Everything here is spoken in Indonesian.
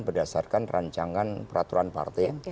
berdasarkan rancangan peraturan partai